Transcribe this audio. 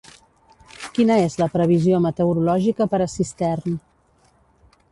Quina és la previsió meteorològica per a Cistern